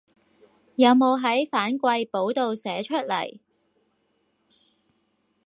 有冇喺反饋簿度寫出來